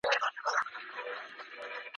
په قهر ورکتلي له لومړۍ ورځي اسمان